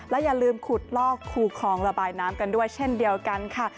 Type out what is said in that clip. อย่าลืมขุดลอกคูคลองระบายน้ำกันด้วยเช่นเดียวกันค่ะ